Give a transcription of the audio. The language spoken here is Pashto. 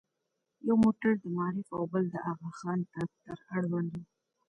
یو موټر د معارف او بل د اغاخان دفتر اړوند و.